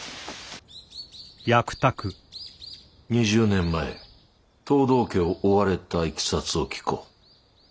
２０年前藤堂家を追われたいきさつを聞こう。